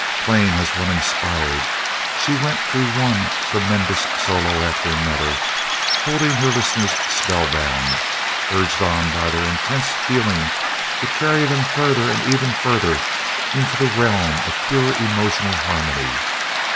Playing as one inspired, she went through one tremendous solo after another holding her listeners spellbound, urged on by their intense feeling to carry them further and ever further into the realm of pure emotional harmony.